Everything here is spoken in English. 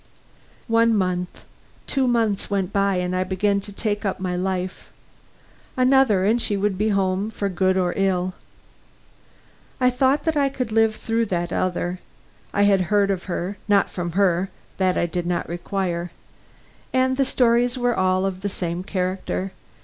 One month, two months went by, and I began to take up my life. Another, and she would be home for good or ill. I thought that I could live through that other. I had heard of her; not from her that I did not require; and the stories were all of the same character.